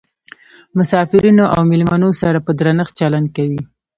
مسافرینو او میلمنو سره په درنښت چلند کوي.